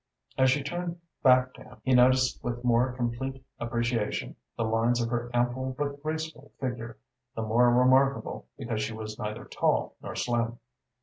As she turned back to him, he noticed with more complete appreciation the lines of her ample but graceful figure, the more remarkable because she was neither tall nor slim.